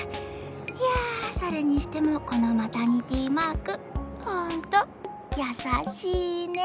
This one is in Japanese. いやそれにしてもこのマタニティマークホントやさしいね。